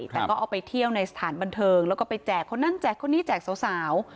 แต่ก็เอาไปเที่ยวในสถานบันเทิงแล้วก็ไปแจกคนนั้นแจกคนนี้แจกสาว